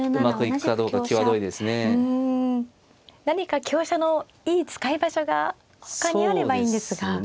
何か香車のいい使い場所がほかにあればいいんですが。